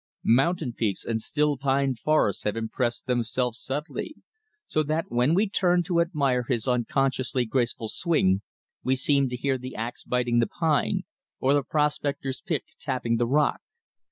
Mountain peaks and still pine forests have impressed themselves subtly; so that when we turn to admire his unconsciously graceful swing, we seem to hear the ax biting the pine, or the prospector's pick tapping the rock.